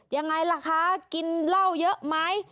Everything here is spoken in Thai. ยังไงล่ะคะกินเหล้าเยอะไหม